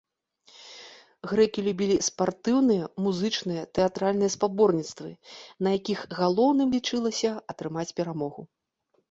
Грэкі любілі спартыўныя, музычныя, тэатральныя спаборніцтвы, на якіх галоўным лічылася атрымаць перамогу.